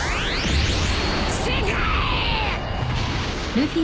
世界！！